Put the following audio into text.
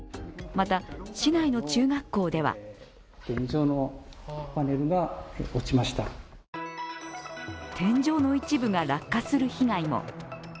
また、市内の中学校では天井の一部が落下する被害も。